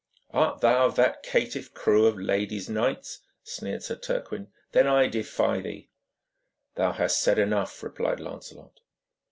'Art thou of that caitiff crew of ladies' knights?' sneered Sir Turquine. 'Then I defy thee.' 'Thou hast said enough,' replied Lancelot.